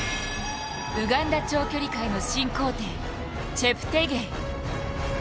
ウガンダ長距離界の新皇帝、チェプテゲイ。